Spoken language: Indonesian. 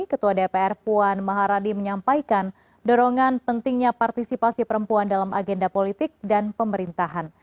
ketua dpr puan maharadi menyampaikan dorongan pentingnya partisipasi perempuan dalam agenda politik dan pemerintahan